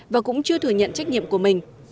và cũng chưa thừa nhận trách nhiệm của mình